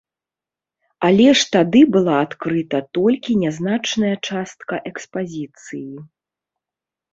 Але ж тады была адкрыта толькі нязначная частка экспазіцыі.